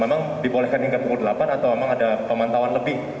memang dibolehkan hingga pukul delapan atau memang ada pemantauan lebih